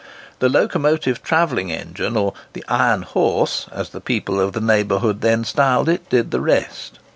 The locomotive travelling engine, or "the iron horse," as the people of the neighbourhood then styled it, did the rest.